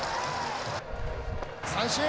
三振！